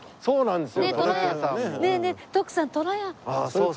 そうなんですよ。